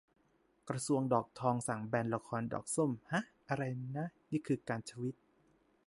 กระทรวงดอกทองสั่งแบนละครดอกส้ม ห๊ะ ! อะไรนะ ! ? นี่คือการทวีต